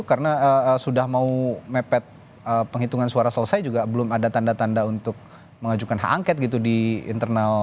karena sudah mau mepet penghitungan suara selesai juga belum ada tanda tanda untuk mengajukan hak angket gitu di internal